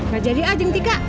gak jadi aja mbak tika